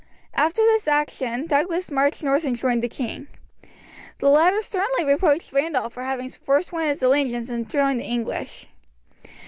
After this action Douglas marched north and joined the king. The latter sternly reproached Randolph for having forsworn his allegiance and joined the English.